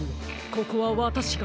ここはわたしが。